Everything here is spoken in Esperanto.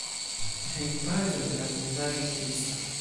Hejmpaĝo de la Fondaĵo "Melissa".